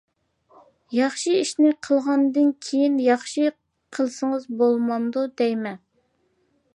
ياخشى ئىشنى قىلغاندىن كىيىن ياخشى قىلسىڭىز بولمامدۇ دەيمەن.